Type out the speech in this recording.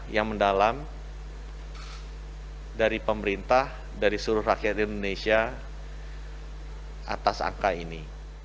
yang mendalam dari pemerintah dari seluruh rakyat indonesia atas angka ini